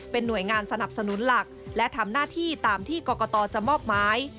หน่วยงานสนับสนุนหลักและทำหน้าที่ตามที่กรกตจะมอบหมาย